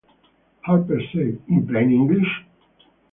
Harper said, In plain English?